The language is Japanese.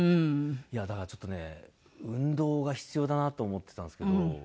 いやだからちょっとね運動が必要だなと思ってたんですけど。